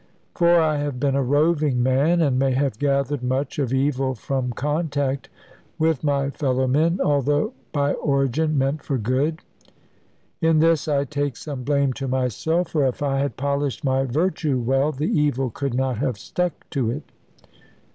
For I have been a roving man, and may have gathered much of evil from contact with my fellow men, although by origin meant for good. In this I take some blame to myself; for if I had polished my virtue well, the evil could not have stuck to it.